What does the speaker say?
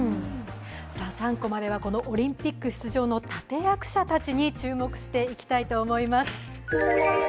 ３コマではオリンピック出場の立て役者たちに注目していきたいと思います。